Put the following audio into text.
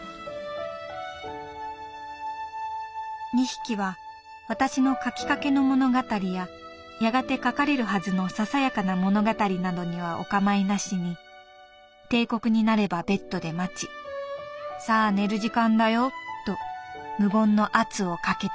「２匹は私の書きかけの物語ややがて書かれるはずのささやかな物語などにはおかまいなしに定刻になればベッドで待ちさあ寝る時間だよと無言の圧をかけてくる」。